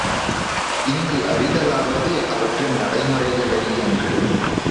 இங்கு அறிதலாவது அவற்றின் நடைமுறைகளையன்று.